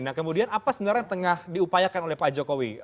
nah kemudian apa sebenarnya yang tengah diupayakan oleh pak jokowi